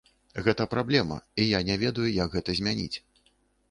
Гэта праблема, і я не ведаю, як гэта змяніць.